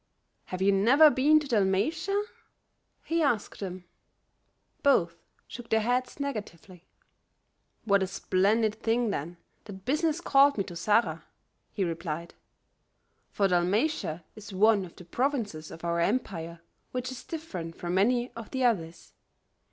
"Have you never been to Dalmatia?" he asked them. Both shook their heads negatively. "What a splendid thing, then, that business called me to Zara," he replied, "for Dalmatia is one of the provinces of our empire which is different from any of the others.